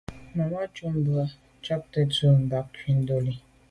Màmá cúp mbə̌ bū jáptə́ cāŋ tɔ̌ bā ŋká ndɔ̌lī.